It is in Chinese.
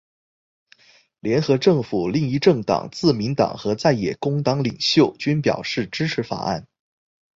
联合政府另一政党自民党和在野工党领袖均表示支持法案。